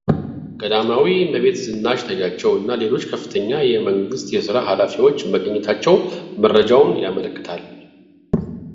ቀዳማዊ እመቤት ዝናሽ ታያቸው እና ሌሎች ከፍተኛ የመንግስት የስራ ኃላፊዎች መገኘታቸውን መረጃው ያመለክታል።